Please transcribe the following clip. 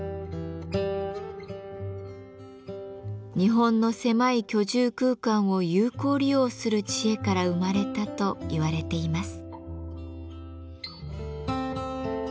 日本の狭い居住空間を有効利用する知恵から生まれたと言われています。